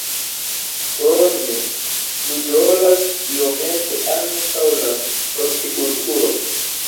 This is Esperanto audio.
Krome ludrolas iomete ankaŭ la hortikulturo.